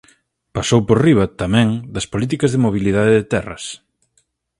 Pasou por riba, tamén, das políticas de mobilidade de terras.